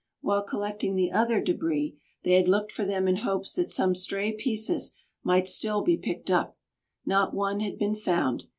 While collecting the other debris, they had looked for them in hopes that some stray pieces might still be picked up; not one had been found.